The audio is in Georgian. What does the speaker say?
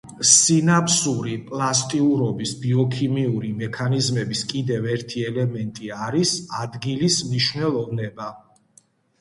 სინაფსური პლასტიურობის ბიოქიმიური მექანიზმების კიდევ ერთი ელემენტი არის ადგილის მნიშვნელოვნება.